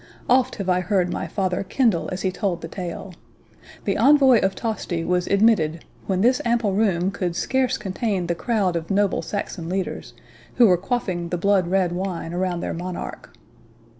Oft have I heard my father kindle as he told the tale. The envoy of Tosti was admitted, when this ample room could scarce contain the crowd of noble Saxon leaders, who were quaffing the blood red wine around their monarch."